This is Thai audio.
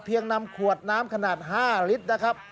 ยังนำขวดน้ำขนาด๕ลิตรนะครับ